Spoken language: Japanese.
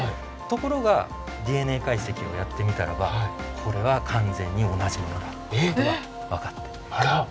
ところがＤＮＡ解析をやってみたらばこれは完全に同じものだっていうことが分かって。